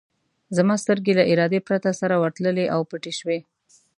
زما سترګې له ارادې پرته سره ورتللې او پټې شوې.